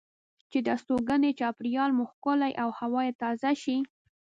چې د استوګنې چاپیریال مو ښکلی او هوا یې تازه شي.